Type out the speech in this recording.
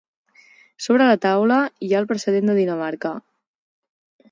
Sobre la taula hi ha el precedent de Dinamarca.